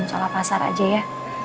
di masjolah pasar aja ya